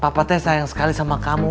papa teh sayang sekali sama kamu